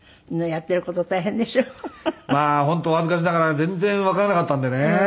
まあ本当お恥ずかしながら全然わからなかったんでね。